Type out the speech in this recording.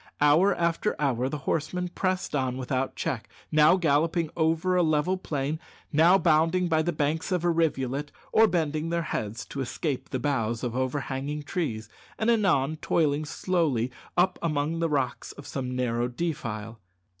Hour after hour the horsemen pressed on without check, now galloping over a level plain, now bounding by the banks of a rivulet, or bending their heads to escape the boughs of overhanging trees, and anon toiling slowly up among the rocks of some narrow defile.